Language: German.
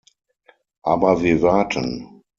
Aber wir warten!